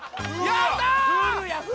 やったー！